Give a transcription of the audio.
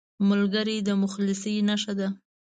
ملګری د مخلصۍ نښه ده